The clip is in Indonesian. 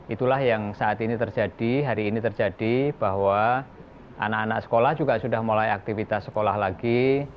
itulah yang saat ini terjadi hari ini terjadi bahwa anak anak sekolah juga sudah mulai aktivitas sekolah lagi